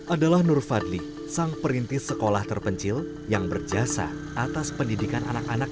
adalah nur fadli sang perintis sekolah terpencil yang berjasa atas pendidikan anak anak